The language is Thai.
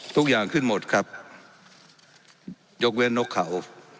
ทุกอย่างขึ้นหมดครับยกเว้นนกเขา